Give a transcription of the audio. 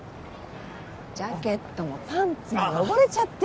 ジャケットもパンツも汚れちゃって。